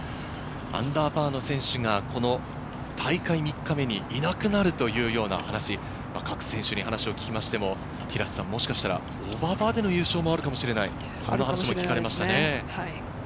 アンダーパーの選手が大会３日目にいなくなるというような話、各選手に話を聞きましても、もしかしたらオーバーパーでの優勝もあるかもしれないという話も聞かれました。